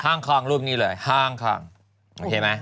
ฮ่องคองรูปนี้เลยฮ่องคองเห็นไหม